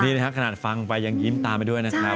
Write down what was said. ดีเลยค่ะขนาดฟังไปยังยิ้มตาไปด้วยนะคะ